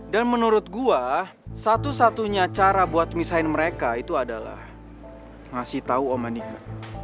dan menurut gua satu satunya cara buat misahin mereka itu adalah ngasih tau om anika